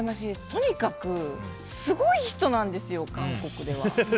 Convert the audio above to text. とにかくすごい人なんです韓国では。